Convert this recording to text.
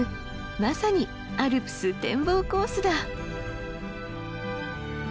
まさにアルプス展望コースだ！